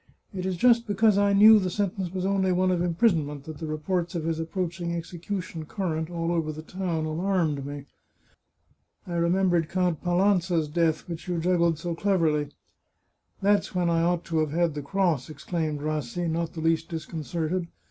" It is just because I knew the sentence was only one of imprisonment that the reports of his approaching execution current all over the town alarmed me. I remembered Count Palanza's death, which you juggled so cleverly." " That's when I ought to have had the cross," exclaimed Rassi, not the least disconcerted.